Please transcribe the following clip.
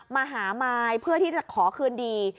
มาหามายเพื่อที่จะขอคืนดี